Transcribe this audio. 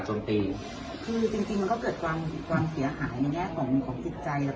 จับไปจนจริงจริงของความเสียหายในแน่ของจิตใจแล้ว